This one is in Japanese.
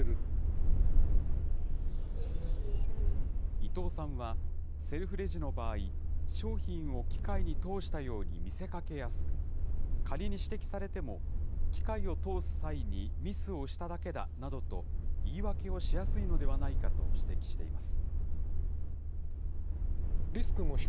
伊東さんは、セルフレジの場合、商品を機械に通したように見せかけやすく、仮に指摘されても、機械を通す際にミスをしただけだなどと、言い訳をしやすいのではないかと指摘しています。